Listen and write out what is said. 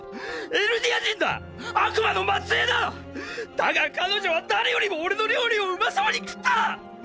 だが彼女は誰よりも俺の料理を美味そうに食った！！